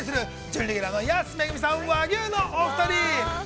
準レギュラーの安めぐみさん、和牛のお二人。